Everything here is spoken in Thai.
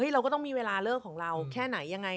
เราก็ต้องมีเวลาเลิกของเราแค่ไหนยังไง